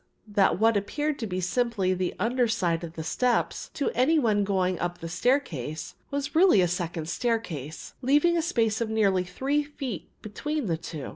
The fact was, that what appeared to be simply the under side of the steps, to any one going up the staircase, was really a second staircase, leaving a space of nearly three feet between the two.